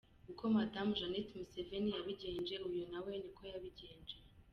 Uko Madam Janet Museveni yabigenje, uyu nawe niko yabigenje.